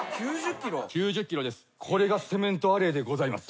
これがセメント亜鈴でございます。